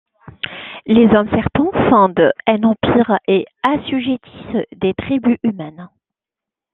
Les Hommes-serpents fondent un empire et assujettissent des tribus humaines.